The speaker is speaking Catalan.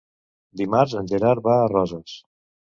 Dimarts en Gerard va a Roses.